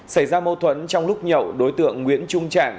xảy ra mâu thuẫn trong lúc nhậu đối tượng nguyễn trung trạng